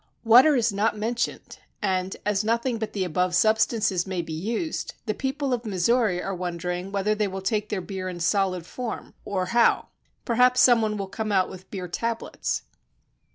Water is not mentioned, and as nothing but the above substances may be used, the peo ple of Missouri are wondering whether they will take their beer in solid form, or how. Perhaps some one will come out with beer tablets.